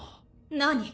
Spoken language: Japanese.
何？